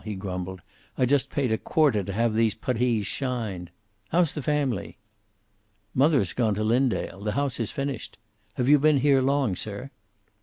he grumbled. "I just paid a quarter to have these puttees shined. How's the family?" "Mother has gone to Linndale. The house is finished. Have you been here long, sir?"